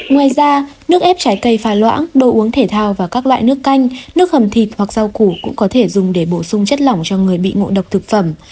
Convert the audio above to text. ngoài ra nước ép trái cây pha loãng đồ uống thể thao và các loại nước canh nước hầm thịt hoặc rau củ cũng có thể dùng để bổ sung chất lỏng cho người bị ngộ độc thực phẩm